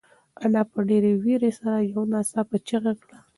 انا په ډېرې وېرې سره یو ناڅاپه چیغه کړه.